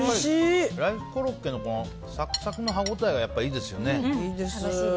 ライスコロッケのサクサクの歯応えがいいですよね。